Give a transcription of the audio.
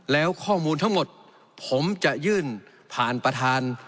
แล้วข้อมูลทั้งหมดผมจะยื่นผ่านประธาน